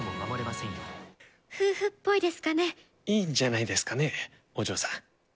いいんじゃないですかねお嬢さん。